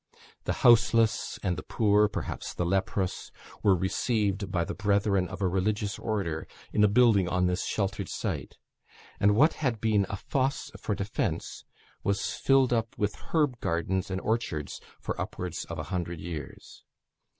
The houseless and the poor, perhaps the leprous, were received, by the brethren of a religious order, in a building on this sheltered site; and what had been a fosse for defence, was filled up with herb gardens and orchards for upwards of a hundred years.